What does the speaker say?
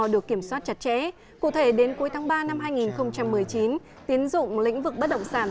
được kiểm soát chặt chẽ cụ thể đến cuối tháng ba năm hai nghìn một mươi chín tiến dụng lĩnh vực bất động sản